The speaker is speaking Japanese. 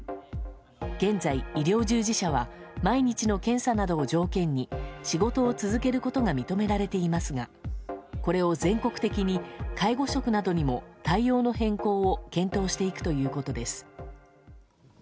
現在、医療従事者は毎日の検査などを条件に仕事を続けることが認められていますがこれを全国的に介護職などにも対応の変更を検討していくということです。